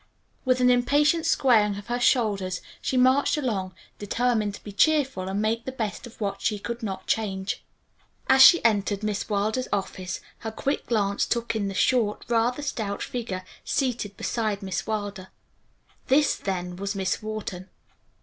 With an impatient squaring of her shoulders she marched along determined to be cheerful and make the best of what she could not change. As she entered Miss Wilder's office her quick glance took in the short, rather stout figure seated beside Miss Wilder. This, then, was Miss Wharton.